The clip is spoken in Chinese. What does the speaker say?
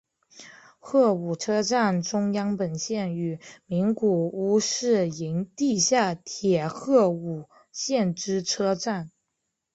鹤舞车站中央本线与名古屋市营地下铁鹤舞线之车站。